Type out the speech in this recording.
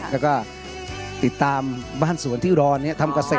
แล้วก็ติดตามบ้านสวนที่รอเนี่ยทำกระเสธ